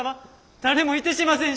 誰もいてしませんし！